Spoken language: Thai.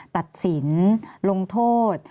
ตัดสินลงโทษ